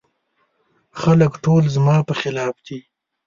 خلګ ټول زما په خلاف دي.